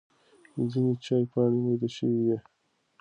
ځینې چای پاڼې مېده شوې وي.